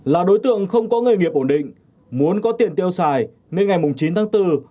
là đối tượng không có nghề nghiệp ổn định muốn có tiền tiêu xài nên ngày chín tháng bốn